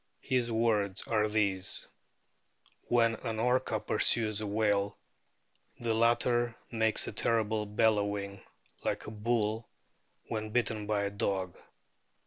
His words are these: "When an Orca pursues a whale the latter makes a terrible bellowing, like a bull when bitten by a dog."